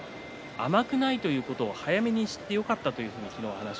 甘くないということを早めに知ってよかった